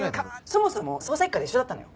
そもそも捜査一課で一緒だったのよ。